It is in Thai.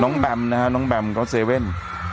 น้องน้องแบมก็เซเว่น